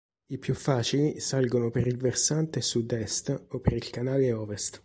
I più facili salgono per il versante Sud-Est o per il canale Ovest.